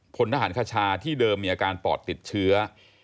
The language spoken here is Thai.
พลทหารคชาที่เดิมมีอาการปอดติดเชื้อ